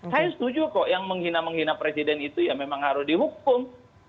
saya setuju kok yang menghina menghina presiden itu ya memang harus dihukum